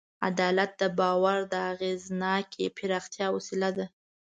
عدالت د باور د اغېزناکې پراختیا وسیله ده.